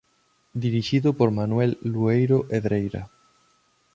Dirixido por Manuel Lueiro Edreira.